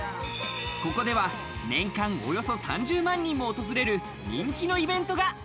ここでは年間およそ３０万人も訪れる人気のイベントが。